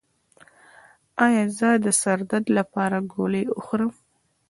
ایا زه د سر درد لپاره ګولۍ وخورم؟